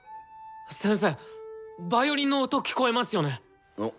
先生ヴァイオリンの音聴こえますよね！？